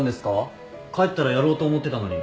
帰ったらやろうと思ってたのに。